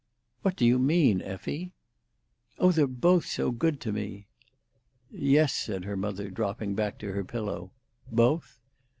"What do you mean, Effie?" "Oh, they're both so good to me." "Yes," said her mother, dropping back to her pillow. "Both?"